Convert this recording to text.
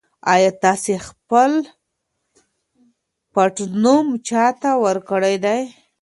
ایا تاسي خپل پټنوم چا ته ورکړی دی؟